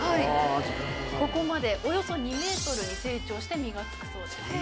ここまでおよそ２ｍに成長して実がつくそうです。